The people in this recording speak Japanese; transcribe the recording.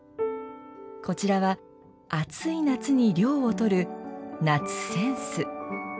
こちらは暑い夏に涼をとる「夏扇子」。